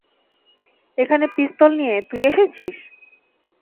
এখানে পিস্তল নিয়ে, তুই এসেছিস।